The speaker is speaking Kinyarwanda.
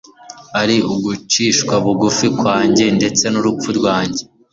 ari ugucishwa bugufi kwanjye ndetse n'urupfu rwanjye.